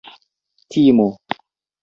timo